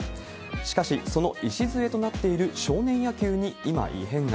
しかし、その礎となっている少年野球に今、異変が。